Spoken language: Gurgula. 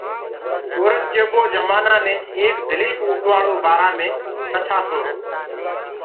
اورنٚگجيبو جمآنآ مي ايڪ دليٚڦ اوٽواݪو بآرآ مي ڪٿا سُڻو